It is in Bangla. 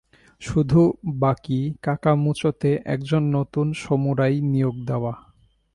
শুধু বাকি কাকামুচোতে একজন নতুন সামুরাই নিয়োগ দেওয়া।